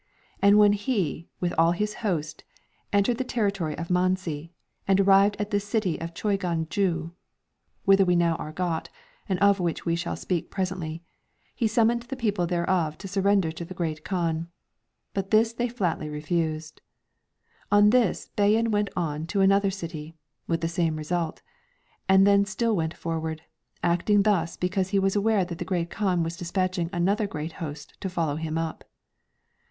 And when lie, with all his host, entered the territory of Manzi and arrived at this city of Coiganju, — whither we now are got, and of which we shall speak presently, — he summoned the people thereof to surrender to the Great Kaan ; but this they flatly refused. On this Bayan went on to another city, with the same result, and then still went forward; acting thus because he was aware that the Great Kaan was despatching another great host to follow him up."